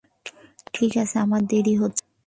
ঠিক আছে, আমার দেরি হচ্ছে।